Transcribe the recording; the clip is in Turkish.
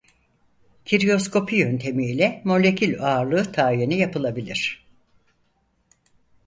Kriyoskopi yöntemi ile molekül ağırlığı tayini yapılabilir.